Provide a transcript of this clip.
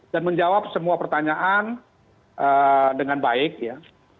dan menjawab semua pertanyaan dengan baik ya